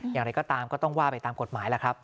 อย่างไรก็ตามก็ต้องว่าไปตามกฎหมายล่ะครับ